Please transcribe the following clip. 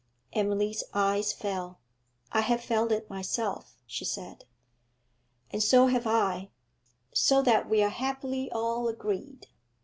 Emily's eyes fell. 'I have felt it myself,' she said. 'And so have I; so that we are happily all agreed.